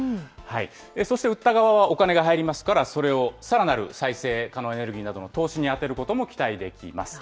そして売った側はお金が入りますから、それをさらなる再生可能エネルギーなどの投資に充てることも期待できます。